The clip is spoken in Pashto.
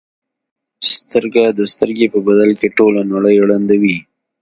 سترګه د سترګې په بدل کې ټوله نړۍ ړندوي.